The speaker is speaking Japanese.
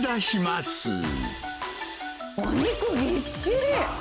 お肉ぎっしり！